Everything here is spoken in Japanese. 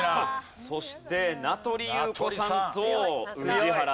そして名取裕子さんと宇治原さん。